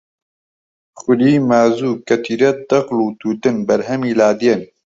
خوری، مازوو، کەتیرە، دەغڵ و تووتن بەرهەمی لادێن